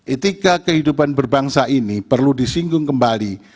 etika kehidupan berbangsa ini perlu disinggung kembali